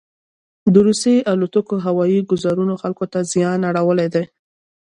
دروسیې الوتکوهوایي ګوزارونوخلکو ته زیان اړولی دی.